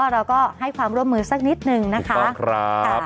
เราก็ให้ความร่วมมือสักนิดนึงนะคะ